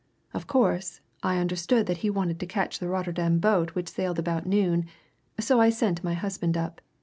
Of course, I understood that he wanted to catch the Rotterdam boat which sailed about noon, so I sent my husband up.